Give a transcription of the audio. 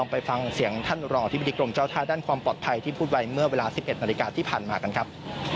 ไปฟังเสียงท่านรองอธิบดีกรมเจ้าท่าด้านความปลอดภัยที่พูดไว้เมื่อเวลา๑๑นาฬิกาที่ผ่านมากันครับ